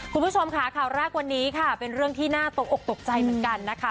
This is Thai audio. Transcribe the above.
คุณผู้ชมค่ะข่าวแรกวันนี้ค่ะเป็นเรื่องที่น่าตกอกตกใจเหมือนกันนะคะ